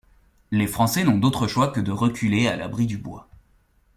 Les Français n’ont d'autre choix que de reculer à l’abri du bois.